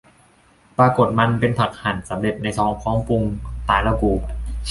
ปรากฏมันเป็นผักหั่นสำเร็จในซองพร้อมปรุง ตายแล้วกู